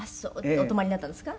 「お泊まりになったんですか？」